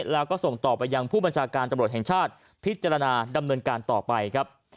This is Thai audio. แล้วก็ส่งต่อไปยังผู้บัญชาการตำรวจแห่งชาติพิจารณาดำเนินการต่อไปครับ